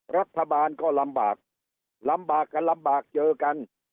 รัฐบาลก็ลำบากลำบากกันลำบากเจอกัน